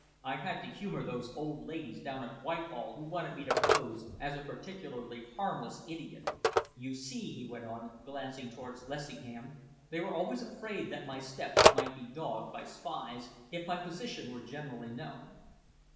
I had to humour those old ladies down at Whitehall who wanted me to pose as a particularly harmless idiot. You see," he went on, glancing towards Lessingham, "they were always afraid that my steps might be dogged by spies, if my position were generally known."